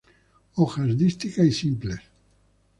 Hojas dísticas y simples.